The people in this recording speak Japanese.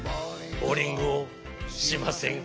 「ボウリングをしませんか」